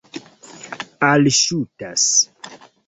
alŝutas